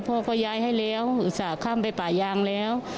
พ่อก็ย้ายให้แล้วอุตส่าห์ข้ามไปป่ายางแล้ว